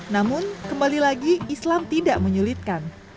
namun kembali lagi islam tidak menyulitkan